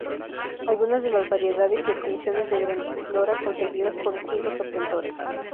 Algunas de las variedades y obtenciones de Grandiflora conseguidas por distintos obtentores.